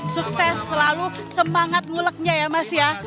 sukses selalu semangat nguleknya ya mas ya